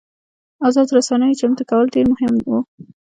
ازادو رسنیو چمتو کول ډېر مهم وو.